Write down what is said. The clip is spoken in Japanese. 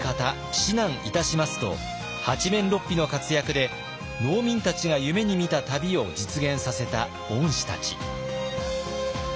指南いたします」と八面六臂の活躍で農民たちが夢にみた旅を実現させた御師たち。